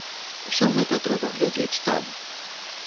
Усё гэта трэба глядзець там.